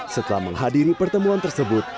setelah menghadiri pertemuan tersebut